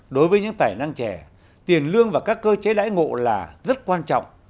đối với những tài năng trẻ tiền lương và các cơ chế đãi ngộ là rất quan trọng